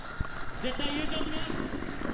絶対優勝します！